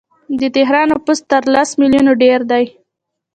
د تهران نفوس تر لس میلیونه ډیر دی.